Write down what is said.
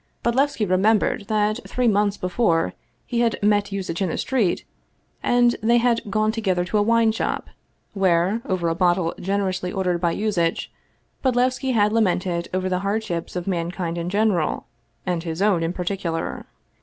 Bodlevski remembered that three months before he had met, Yuzitch in the street, and they had gone together to a wine shop, where, over a bottle generously ordered by Yuzitch, Bod levski had lamented over the hardships of mankind in gen eral, and his own in particular.